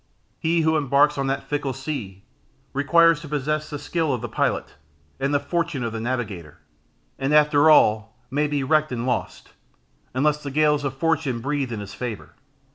He who embarks on that fickle sea, requires to possess the skill of the pilot and the fortitude of the navigator, and after all may be wrecked and lost, unless the gales of fortune breathe in his favour.